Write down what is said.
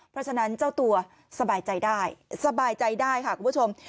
เพราะฉะนั้นเจ้าตัวสบายใจได้สบายใจได้ค่ะคุณผู้ชม